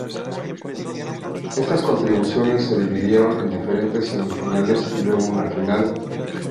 Estas contribuciones se dividieron en diferentes semifinales y luego una final.